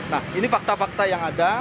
nah ini fakta fakta yang ada